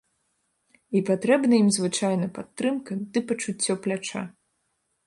І патрэбна ім звычайна падтрымка ды пачуццё пляча.